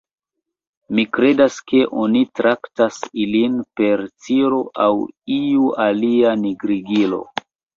"Mi kredas ke oni traktas ilin per ciro aŭ iu alia nigrigilo."